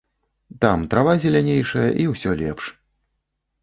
Там трава зелянейшая і ўсё лепш.